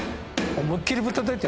思いっきりぶったたいて。